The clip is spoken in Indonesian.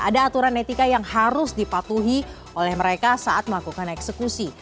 ada aturan etika yang harus dipatuhi oleh mereka saat melakukan eksekusi